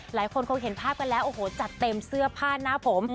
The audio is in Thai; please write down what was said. หลายคนคงเห็นภาพกันแล้วโอ้โหจัดเต็มเสื้อผ้าหน้าผม